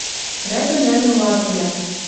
Рядӹн-рядӹн ладывлӓ.